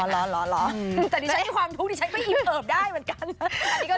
ร้อนแต่ดิฉันมีความทุกข์ดิฉันไม่อิ่มเอิบได้เหมือนกัน